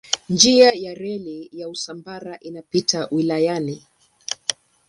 Njia ya reli ya Usambara inapita wilayani.